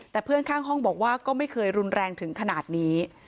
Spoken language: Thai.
แต่เพื่อนข้างห้องบอกว่าก็ไม่เคยรุนแรงถึงขนาดนี้